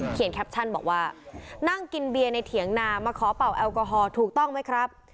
แคปชั่นบอกว่านั่งกินเบียร์ในเถียงนามาขอเป่าแอลกอฮอลถูกต้องไหมครับ